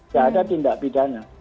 tidak ada tindak pidana